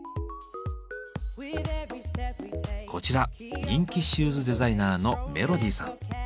こちら人気シューズデザイナーのメロディさん。